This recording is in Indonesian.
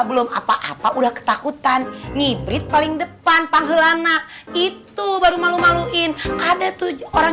belum apa apa udah ketakutan ngibrit paling depan panggilan anak itu baru malu maluin ada tuh orang